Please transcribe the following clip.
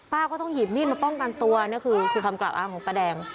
ก็ต้องหยิบมีดมาป้องกันตัวนี่คือคำกล่าวอ้างของป้าแดง